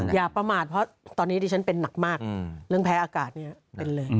อย่าประมาทเพราะตอนนี้ดิฉันเป็นหนักมากเรื่องแพ้อากาศเนี่ยเป็นเลย